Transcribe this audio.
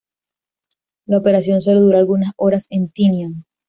La operación solo duró algunas horas en Tinian.